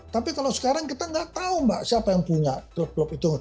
tapi kalau sekarang kita nggak tahu mbak siapa yang punya klub klub itu